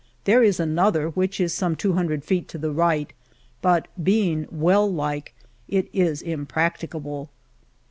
There is another, which is some two hundred feet to the right, but being well like, it is impracticable